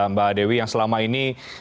mbak dewi yang selama ini